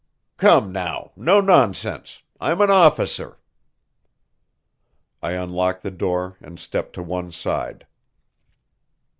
"Come now, no nonsense; I'm an officer." I unlocked the door and stepped to one side.